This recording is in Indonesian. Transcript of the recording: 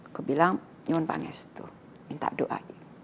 aku bilang nyumun pangestu minta doa